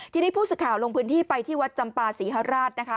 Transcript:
ทีนี้ผู้สื่อข่าวลงพื้นที่ไปที่วัดจำปาศรีฮราชนะคะ